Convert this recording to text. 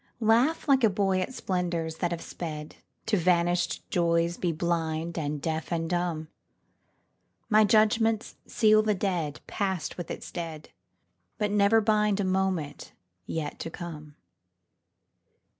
Laugh like a boy at splendors that have sped, To vanished joys be blind and deaf and dumb; My judgments seal the dead past with its dead, But never bind a moment yet to come.